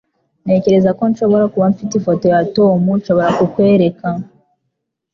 Ntekereza ko nshobora kuba mfite ifoto ya Tom nshobora kukwereka.